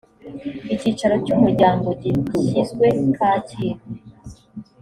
icyicaro cy umuryango gishyizwe kacyiru